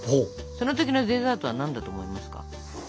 その時のデザートは何だと思いますか？